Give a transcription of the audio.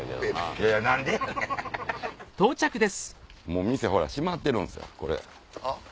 もう店ほら閉まってるんですこれ。